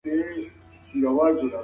جوزجان د ګازو وطن دی.